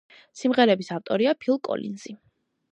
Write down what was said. სიმღერების ავტორია ფილ კოლინზი.